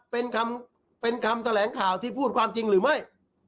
เป็นคำแสลงข่าวที่พูดความจริงหรือไม่